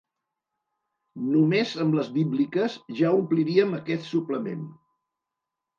Només amb les bíbliques ja ompliríem aquest suplement.